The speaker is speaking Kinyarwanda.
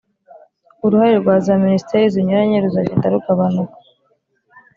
uruhare rwa za minisiteri zinyuranye ruzagenda rugabanuka